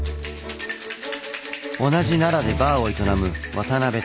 同じ奈良でバーを営む渡邉匠さん。